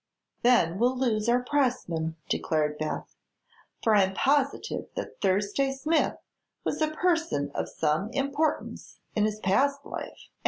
"Then we'll lose our pressman," declared Beth; "for I'm positive that Thursday Smith was a person of some importance in his past life."